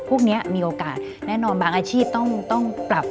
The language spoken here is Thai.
พวกนี้มีโอกาสแน่นอนบางอาชีพต้องปรับ